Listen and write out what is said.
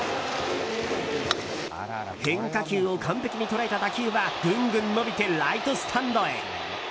変化球を完璧に捉えた打球はぐんぐん伸びてライトスタンドへ。